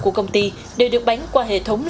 của công ty đều được bán qua hệ thống